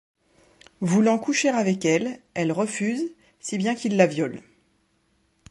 Voulant coucher avec elle, elle refuse, si bien qu'il la viole.